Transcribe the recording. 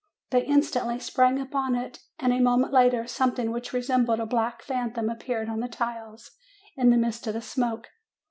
They instantly sprang upon it, and a moment later something which resembled a black phantom appeared on the tiles, in the midst of the smoke.